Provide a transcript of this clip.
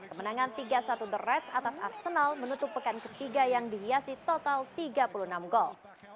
kemenangan tiga satu the reds atas arsenal menutup pekan ketiga yang dihiasi total tiga puluh enam gol